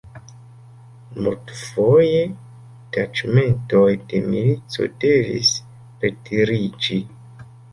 Multfoje taĉmentoj de milico devis retiriĝi.